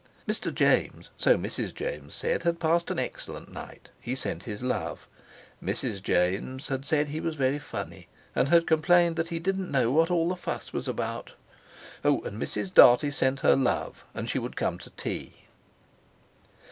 Mr. James, so Mrs. James said, had passed an excellent night, he sent his love; Mrs. James had said he was very funny and had complained that he didn't know what all the fuss was about. Oh! and Mrs. Dartie sent her love, and she would come to tea.